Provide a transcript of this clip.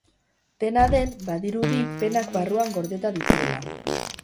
Dena den, badirudi penak barruan gordeta dituela.